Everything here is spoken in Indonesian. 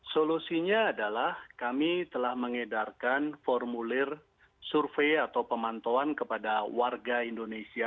solusinya adalah kami telah mengedarkan formulir survei atau pemantauan kepada warga indonesia